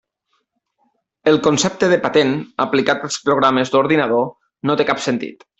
El concepte de patent, aplicat als programes d'ordinador, no té cap sentit.